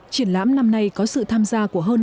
triển lãm năm nay có sự tham gia của các bạn